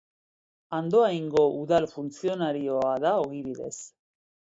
Andoaingo udal funtzionarioa da ogibidez.